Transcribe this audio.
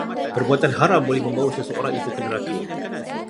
Perbuatan haram boleh membawa seseorang itu ke neraka